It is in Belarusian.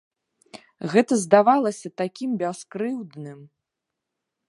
Гэта здавалася такім бяскрыўдным.